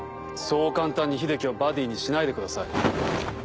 そう簡単に秀樹をバディにしないでください。